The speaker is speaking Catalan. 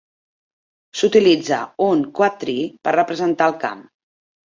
S'utilitza un "quadtree" per representar el camp.